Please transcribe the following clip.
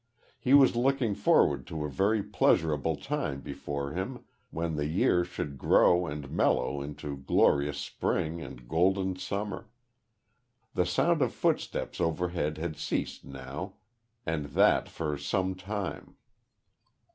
He was looking forward to a very pleasurable time before him when the year should grow and mellow into glorious spring and golden summer. The sound of footsteps overhead had ceased now, and that for some time.